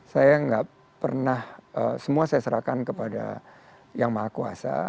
saya nggak pernah semua saya serahkan kepada yang maha kuasa